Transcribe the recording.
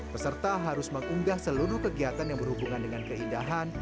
peserta harus mengunggah seluruh kegiatan yang berhubungan dengan keindahan